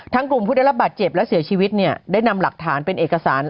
กลุ่มผู้ได้รับบาดเจ็บและเสียชีวิตเนี่ยได้นำหลักฐานเป็นเอกสาร